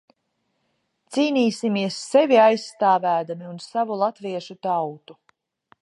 Cīnīsimies sevi aizstāvēdami un savu latviešu tautu.